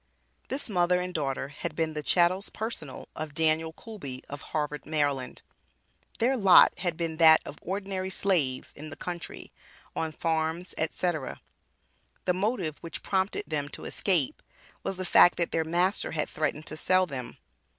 This mother and daughter had been the "chattels personal" of Daniel Coolby of Harvard, Md. Their lot had been that of ordinary slaves in the country, on farms, &c. The motive which prompted them to escape was the fact that their master had "threatened to sell" them.